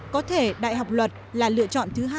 có thể đại học luật là lựa chọn thứ hai